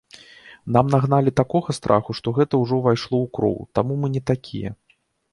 Нам нагналі такога страху, што гэта ўжо ўвайшло ў кроў, таму мы не такія.